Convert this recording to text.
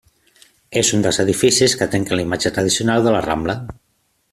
És un dels edificis que trenquen la imatge tradicional de la Rambla.